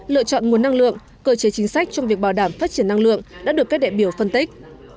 lựa chọn nguồn năng lượng cơ chế chính sách trong việc bảo đảm phát triển năng lượng đã được các đại biểu phân tích